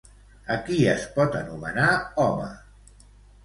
A qui es pot anomenar home?